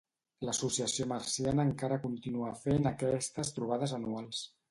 L’Associació Murciana encara continua fent aquestes trobades anuals.